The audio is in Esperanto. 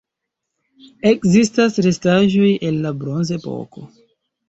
Ekzistas restaĵoj el la bronzepoko.